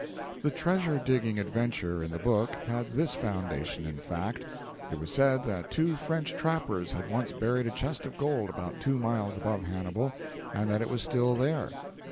The treasure digging adventure in the book had this foundation in fact: It was said that two French trappers had once buried a chest of gold about two miles above Hannibal, and that it was still there.